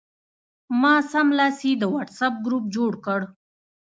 ما سملاسي د وټساپ ګروپ جوړ کړ.